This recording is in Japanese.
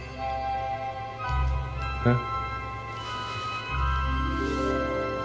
えっ。